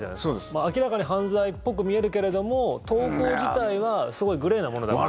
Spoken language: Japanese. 明らかに犯罪っぽく見えるけれども投稿自体はすごいグレーなものだから。